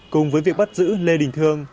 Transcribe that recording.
cùng với việc bắt giữ lê đình thương